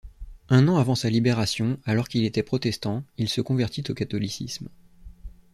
Un an avant sa libération, alors qu’il était protestant, il se convertit au catholicisme.